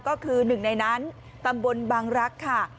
ก็คือหนึ่งในนั้นตำบลบังรักษ์ค่ะ